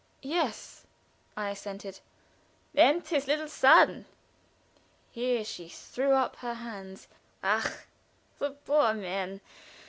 "Yes," I assented. "And his little son!" Here she threw up her hands. "Ach! the poor man!